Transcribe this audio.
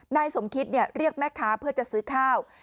นายสมคิตเรียกแม่ค้าเพื่อจะซื้อข้าว